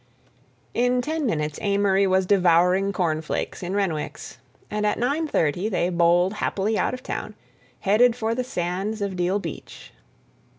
In ten minutes Amory was devouring cornflakes in Renwick's, and at nine thirty they bowled happily out of town, headed for the sands of Deal Beach.